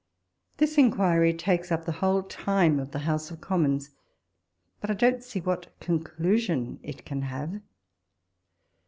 This inquiry takes up the whole time of the House of Commons, but I don't see what conclusion it can have.